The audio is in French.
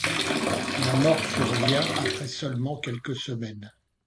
La mort survient après seulement quelques semaines.